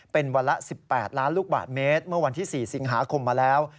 เป็นวันละ๑๘ล้านลูกบาทเมตรเมื่อวันที่๔สิงหาคมมาแล้ว